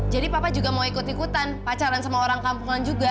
jadi papa juga mau ikut ikutan pacaran sama orang kampungan juga